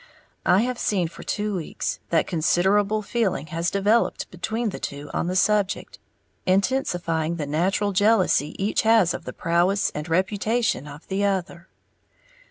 I have seen for two weeks that considerable feeling has developed between the two on the subject, intensifying the natural jealousy each has of the prowess and reputation of the other.